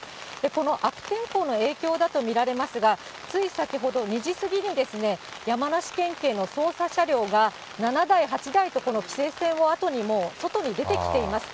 この悪天候の影響だと思いますが、つい先ほど２時過ぎにですね、山梨県警の捜査車両が、７台、８台と、この規制線をあとに、もう外に出てきています。